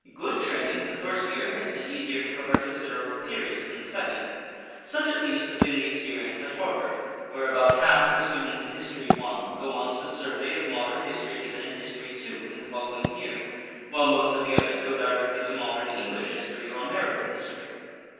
Good training in the first year makes it easier to cover a considerable period in the second. Such at least has been the experience at Harvard, where about half of the students in History 1 go on to the survey of modern history given in History 2 in the following year, while most of the others go directly to modern English history or American history.